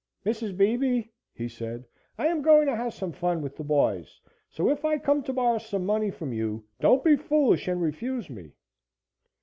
"Mrs. Beebe," he said, "I am going to have some fun with the boys. So if I come to borrow some money from you, don't be foolish and refuse me."